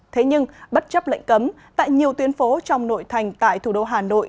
thế nhưng bất chấp lệnh cấm tại nhiều tuyến phố trong nội thành tại thủ đô hà nội